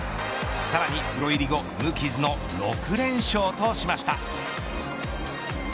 さらにプロ入り後無傷の６連勝としました。